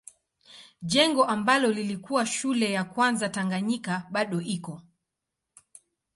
Jengo ambalo lilikuwa shule ya kwanza Tanganyika bado iko.